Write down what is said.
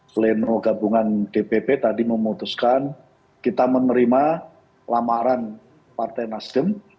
pleno gabungan dpp tadi memutuskan kita menerima lamaran partai nasdem